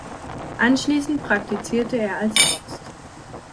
Anschließend praktizierte er als Arzt.